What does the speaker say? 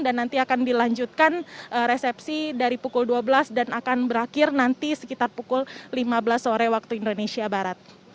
nanti akan dilanjutkan resepsi dari pukul dua belas dan akan berakhir nanti sekitar pukul lima belas sore waktu indonesia barat